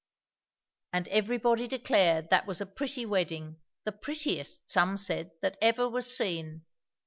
_________ And everybody declared that was a pretty wedding; the prettiest, some said, that ever was seen.